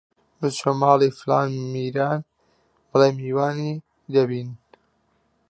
بچۆ لە ماڵی فڵان میران بڵێ میوانی دەبین!